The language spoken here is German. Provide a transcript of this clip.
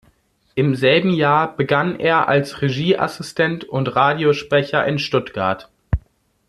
Im selben Jahr begann er als Regieassistent und Radiosprecher in Stuttgart.